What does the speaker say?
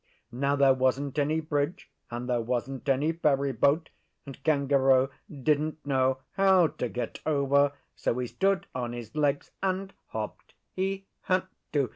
Now, there wasn't any bridge, and there wasn't any ferry boat, and Kangaroo didn't know how to get over; so he stood on his legs and hopped. He had to!